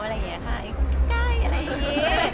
ไอ้คนใกล้อะไรอย่างนี้